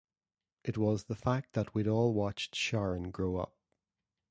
It was the fact that we'd all watched Sharon grow up.